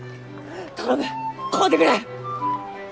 頼む買うてくれ！